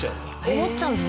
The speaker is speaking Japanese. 思っちゃうんです。